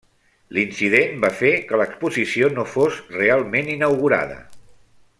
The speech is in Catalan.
L'incident va fer que l'exposició no fos realment inaugurada.